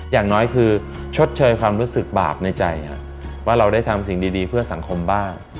อย่างน้อยคือชดเชยความรู้สึกบาปในใจว่าเราได้ทำสิ่งดีเพื่อสังคมบ้าง